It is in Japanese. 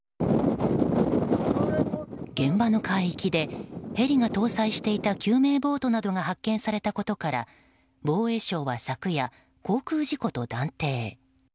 現場の海域でヘリが搭載していた救命ボートなどが発見されたことから防衛省は昨夜、航空事故と断定。